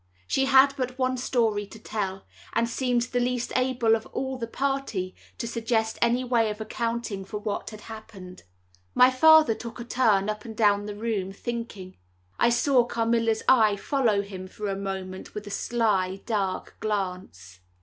She had but one story to tell, and seemed the least able of all the party to suggest any way of accounting for what had happened. My father took a turn up and down the room, thinking. I saw Carmilla's eye follow him for a moment with a sly, dark glance.